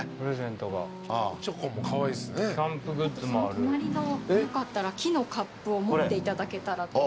その隣のよかったら木のカップを持っていただけたらと。